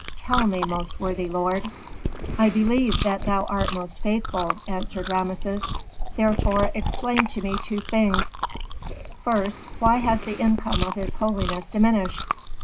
Tell me, most worthy lord." "I believe that thou art most faithful," answered Rameses. "Therefore explain to me two things: first, why has the income of his holiness diminished?